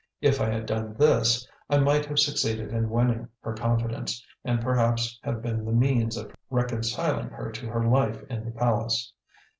If I had done this, I might have succeeded in winning her confidence, and perhaps have been the means of reconciling her to her life in the palace.